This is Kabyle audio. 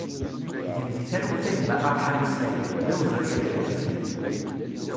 Gen di talwit a gma Arḥam Saïd, d awezɣi ad k-nettu!